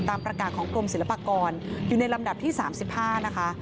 ตามประกาศของกรมศิลปากรอยู่ในลำดับที่๓๕นะคะ